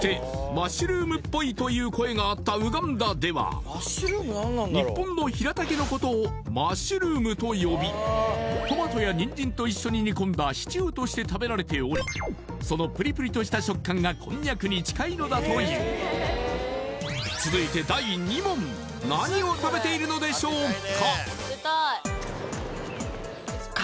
マッシュルームっぽいという声があったウガンダでは日本のヒラタケのことをマッシュルームと呼びトマトやニンジンと一緒に煮込んだシチューとして食べられておりそのプリプリとした食感がコンニャクに近いのだという続いて第２問何を食べているのでしょうか？